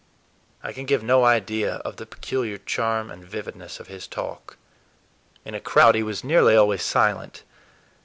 I can give no idea of the peculiar charm and vividness of his talk. In a crowd he was nearly always silent.